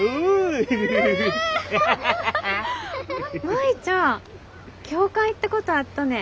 舞ちゃん教会行ったことあっとね？